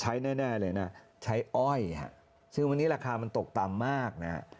ใช้แน่เลยนะใช้อ้อยฮะซึ่งวันนี้ราคามันตกต่ำมากนะฮะ